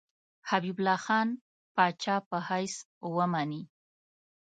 حبیب الله خان پاچا په حیث ومني.